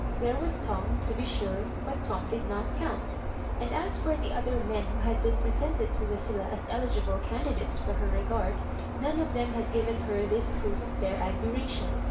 There was Tom, to be sure, but Tom did not count And as for the other men who had been presented to Lucilla aa eligible candidates for her regard, none of them had given her this proof of Sieir admiration.